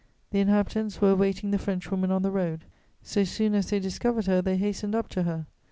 The inhabitants were awaiting the Frenchwoman on the road; so soon as they discovered her, they hastened up to her.